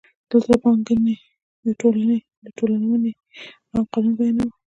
دلته د پانګې د ټولونې عام قانون بیانوو